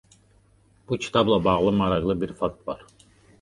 Bu kitabla bağlı maraqlı bir fakt vardır.